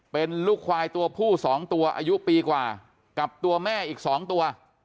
เป็นลูกควายตัวผู้๒ตัวอายุปีกว่ากับตัวแม่อีก๒ตัว